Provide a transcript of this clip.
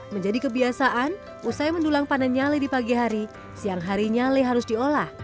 menjadi kebiasaan usai mendulang panen nyale di pagi hari siang hari nyale harus diolah